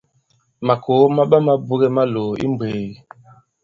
Màkòo ma ɓama buge malòò i mmbwēē.